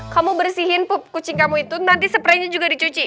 kamu bersihin pup kucing kamu itu nanti sepray nya juga dicuci